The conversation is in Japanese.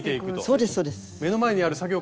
そうですそうです。